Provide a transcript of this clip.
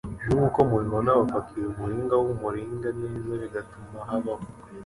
Nkuko mubibona bapakira umuringa wumuringa neza bigatuma habaho